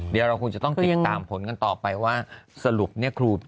เดี๋ยวเราคงจะต้องติดตามผลกันต่อไปว่าสรุปเนี่ยครู